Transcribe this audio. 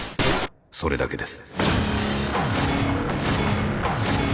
それだけです。